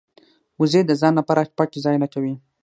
وزې د ځان لپاره پټ ځای لټوي